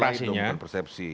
etika itu dihitungkan persepsi